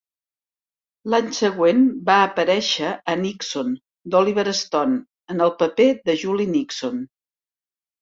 L'any següent va aparèixer a "Nixon", d'Oliver Stone, en el paper de Julie Nixon.